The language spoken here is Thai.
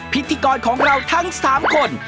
พิธีกรของเราทั้ง๓คน